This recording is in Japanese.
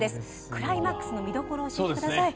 クライマックスの見どころを教えてください。